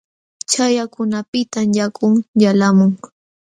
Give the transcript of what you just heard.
Chaqyakunapiqtam yaku yalqamun.